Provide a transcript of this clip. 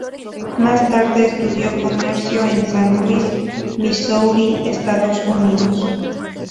Más tarde estudió comercio en San Luis Missouri, Estados Unidos.